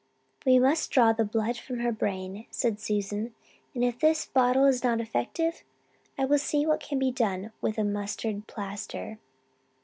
"We must draw the blood from her brain," said Susan, "and if this bottle is not effective I will see what can be done with a mustard plaster."